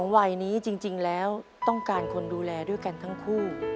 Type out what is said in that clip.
วัยนี้จริงแล้วต้องการคนดูแลด้วยกันทั้งคู่